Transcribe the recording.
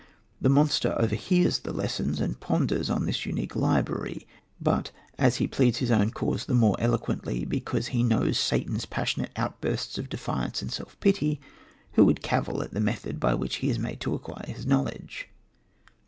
The monster overhears the lessons, and ponders on this unique library, but, as he pleads his own cause the more eloquently because he knows Satan's passionate outbursts of defiance and self pity, who would cavil at the method by which he is made to acquire his knowledge?